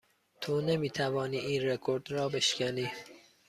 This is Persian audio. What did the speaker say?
تو نمی توانی این رکورد را بشکنی.